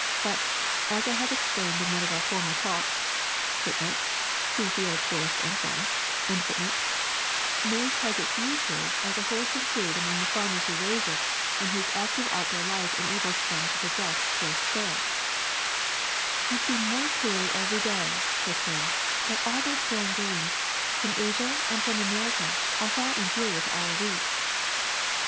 But, as I have explained in one of our former talks,^ maize has its uses as a wholesome food among the farmers who raise it and whose active outdoor life enables them to digest coarse fare.*' *^ I see more clearly every day, '' said Claire, ^' that all those foreign grains, from Asia and from Amer ica, are far inferior to our wheat.